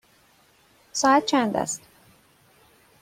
ساعت چند است؟